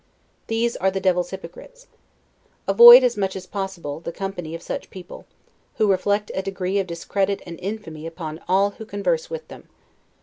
These are the devil's hypocrites. Avoid, as much as possible, the company of such people; who reflect a degree of discredit and infamy upon all who converse with them.